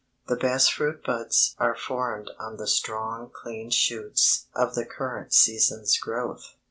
The best fruit buds are formed on the strong clean shoots of the current season's growth.